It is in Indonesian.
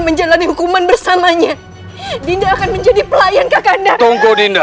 menjalani hukuman bersamanya dinda akan menjadi pelayan kak anda dinda